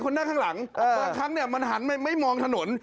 บางครั้งมันหันไม่มองถนน